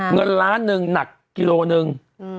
เงินล้านหนึ่งหนักกิโลหนึ่ง